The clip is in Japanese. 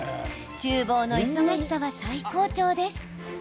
ちゅう房の忙しさは最高潮です。